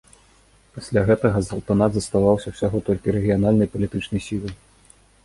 Пасля гэтага султанат заставаўся ўсяго толькі рэгіянальнай палітычнай сілай.